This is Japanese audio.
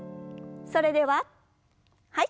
それでははい。